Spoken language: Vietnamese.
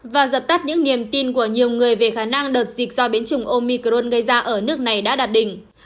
và dập tắt những niềm tin của nhiều người về khả năng đợt dịch do biến chủng omicron gây ra ở nước này đã đạt đỉnh